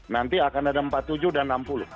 nanti akan ada empat puluh tujuh dan enam puluh